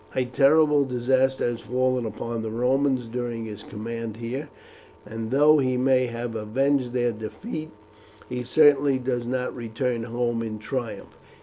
A terrible disaster has fallen upon the Romans during his command here; and though he may have avenged their defeat, he certainly does not return home in triumph.